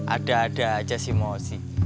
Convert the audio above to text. ada ada aja sih mochi